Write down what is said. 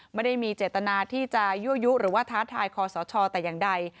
ไม่ได้มีเจตนาที่จะยั่วยุหรือว่าท้าทายคอสชแต่อย่างใด